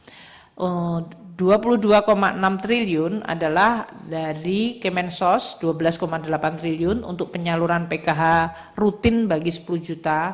rp dua puluh dua enam triliun adalah dari kemensos rp dua belas delapan triliun untuk penyaluran pkh rutin bagi sepuluh juta